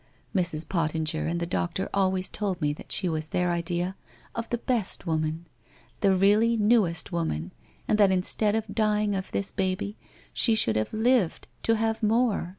Mrs. Pottinger and the doctor always told me that she was their idea of the Best Woman — the really newest woman, and that instead of dying of this baby, she should have lived to have more!